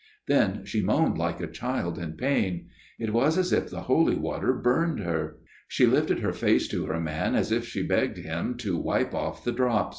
" Then she moaned like a child in pain. It was as if the holy water burned her ; she lifted her face to her man as if she begged him to wipe off the drops.